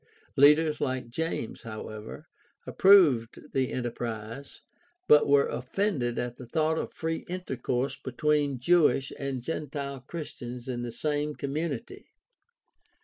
Leaders like James, however, approved the enterprise, but were offended at the thought of free intercourse between Jewish and gentile Christians in the same community.